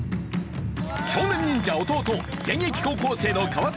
少年忍者弟現役高校生の川星輝。